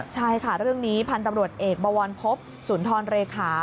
ใช่ค่ะเรื่องนี้พันธุ์ตำรวจเอกบวรพบสุนทรเลขา